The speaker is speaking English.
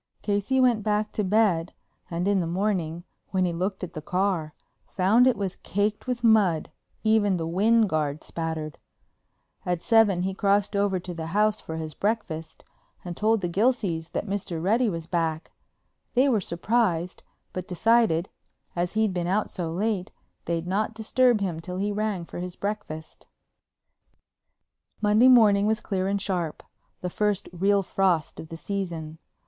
Casey went back to bed and in the morning, when he looked at the car, found it was caked with mud, even the wind guard spattered. At seven he crossed over to the house for his breakfast and told the Gilseys that Mr. Reddy was back. They were surprised, but decided, as he'd been out so late, they'd not disturb him till he rang for his breakfast. Monday morning was clear and sharp, the first real frost of the season.